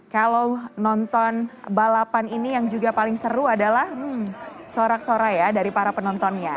kalau nonton balapan ini yang juga paling seru adalah sorak sorak ya dari para penontonnya